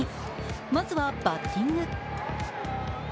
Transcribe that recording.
まずはバッティング。